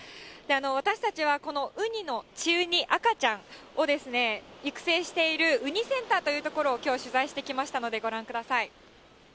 私たちはウニの稚ウニ、赤ちゃんを育成しているウニセンターというところを、きょう、取材してきましたので、ご覧ください。